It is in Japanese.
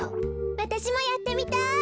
わたしもやってみたい。